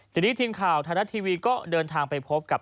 ทีนี้ทีมข่าวไทยรัฐทีวีก็เดินทางไปพบกับ